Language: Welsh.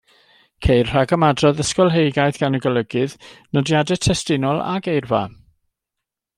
Ceir rhagymadrodd ysgolheigaidd gan y golygydd, nodiadau testunol a geirfa.